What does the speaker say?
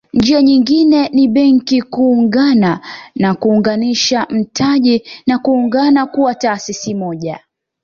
Njia nyingine ni Benki kuungana na kuunganisha mtaji na kuungana kuwa taasisi moja